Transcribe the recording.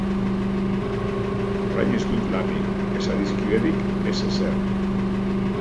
Orain ez dut lanik, ez adiskiderik, ez ezer.